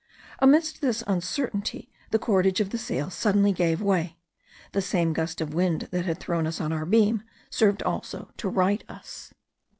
Amidst this uncertainty the cordage of the sail suddenly gave way. The same gust of wind, that had thrown us on our beam, served also to right us.